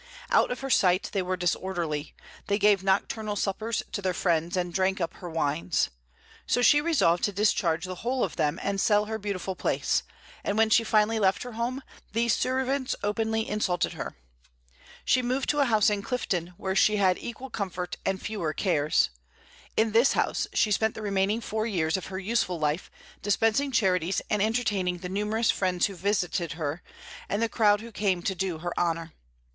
Out of her sight, they were disorderly: they gave nocturnal suppers to their friends, and drank up her wines. So she resolved to discharge the whole of them, and sell her beautiful place; and when she finally left her home, these servants openly insulted her. She removed to a house in Clifton, where she had equal comfort and fewer cares. In this house she spent the remaining four years of her useful life, dispensing charities, and entertaining the numerous friends who visited her, and the crowd who came to do her honor.